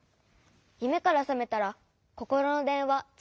ゆめからさめたらココロのでんわつかえないでしょ。